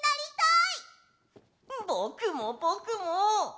ぼくもぼくも！